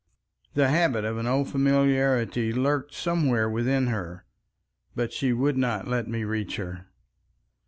The habit of an old familiarity lurked somewhere within her. But she would not let me reach her.